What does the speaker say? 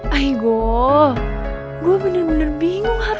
jangan nabung sama teman motocard